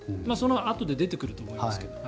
あとで出てくると思いますが。